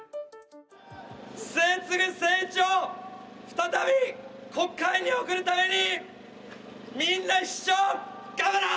末次精一を再び国会に送るためにみんな一緒に頑張ろう！